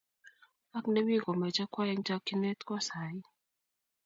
ak nemi komache kwo eng' chakchinet kwo sai